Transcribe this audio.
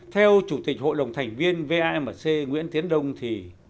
theo chủ tịch hội đồng thành viên vamc nguyễn tiến đông thì